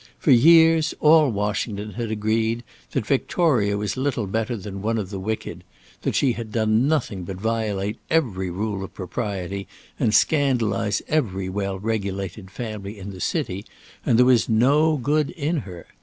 For years all Washington had agreed that Victoria was little better than one of the wicked; she had done nothing but violate every rule of propriety and scandalise every well regulated family in the city, and there was no good in her.